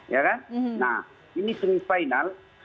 ya kan nah ini semifinal